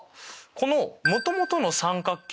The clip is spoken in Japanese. このもともとの三角形